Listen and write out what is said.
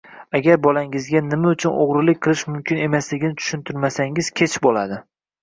Agar bolangizga nima uchun o‘g‘rilik qilish mumkin emasligini tushuntirmasangiz kech bo'ladi.